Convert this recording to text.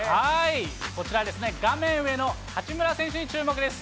こちらですね、画面上の八村選手に注目です。